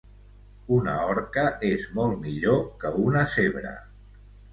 Una orca és molt millor que una zebra